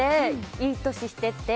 いい年してって。